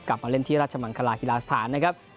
กลับมาเล่นที่ราชมังคลาฮิลาสถานนะครับ